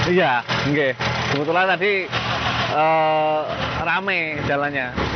iya nge sebetulnya tadi rame jalannya